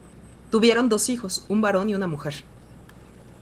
Tuvieron dos hijos, un varón y una mujer.